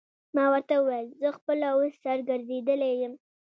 ما ورته وویل: زه خپله اوس سر ګرځېدلی یم.